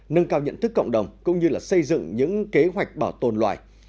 nâng cao nhận thức cộng đồng cũng như xây dựng những kế hoạch bảo tồn loài